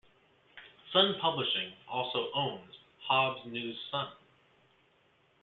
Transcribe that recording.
Sun Publishing also owns the Hobbs News-Sun.